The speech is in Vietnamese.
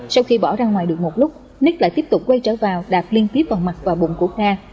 sau khi bỏ ra ngoài được một lúc nik lại tiếp tục quay trở vào đạp liên tiếp vào mặt và bụng của nga